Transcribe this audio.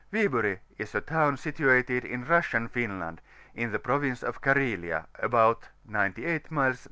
WTB VBrO is a town situated in Russian Finland, in the province of Carhelia, about 96 miles N.